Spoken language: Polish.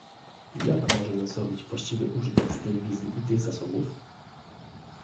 Jak możemy zrobić właściwy użytek z tej wizji i tych zasobów?